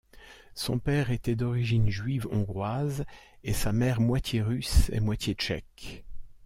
Son père était d'origine juive hongroise et sa mère moitié russe et moitié tchèque.